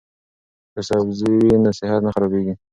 که سبزی وي نو صحت نه خرابیږي.